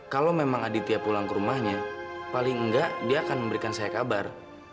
kalau memang aditya pulang ke rumahnya paling enggak dia akan memberikan saya kabar